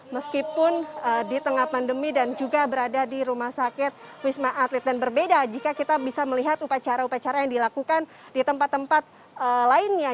meskipun di tengah pandemi dan juga berada di rumah sakit wisma atlet dan berbeda jika kita bisa melihat upacara upacara yang dilakukan di tempat tempat lainnya